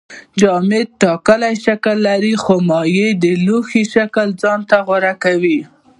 جامد ټاکلی شکل لري خو مایع د لوښي شکل ځان ته غوره کوي